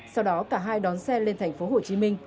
sau đó cả hai đón xe lên thành phố hồ chí minh